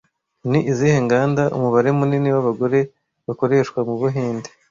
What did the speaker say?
Ni izihe nganda umubare munini w’abagore bakoreshwa mu Buhinde